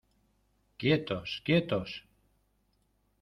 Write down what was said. ¡ quietos!... ¡ quietos !...